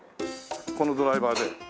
このドライバーで。